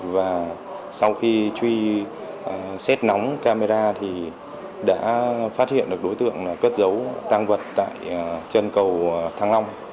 và sau khi truy xét nóng camera thì đã phát hiện được đối tượng cất dấu tăng vật tại chân cầu thăng long